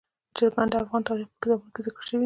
چرګان د افغان تاریخ په کتابونو کې ذکر شوي دي.